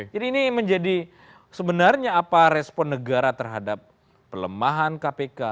jadi ini menjadi sebenarnya apa respon negara terhadap pelemahan kpk